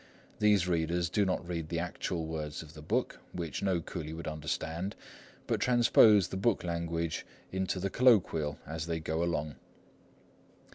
These readers do not read the actual words of the book, which no coolie would understand, but transpose the book language into the colloquial as they go along.